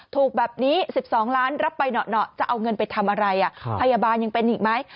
ถูกแบบนี้๑๒ล้านรับไปเหนาะจะเอาเงินไปทำอะไรพยาบาลยังเป็นอีกไหม